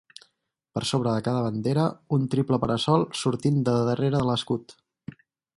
Per sobre de cada bandera un triple para-sol sortint de darrere l'escut.